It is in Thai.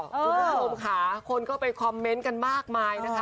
อยู่ในห้มขาคนเข้าไปคอมเม้นต์กันมากมายนะคะ